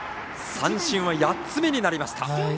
三振は８つ目になりました。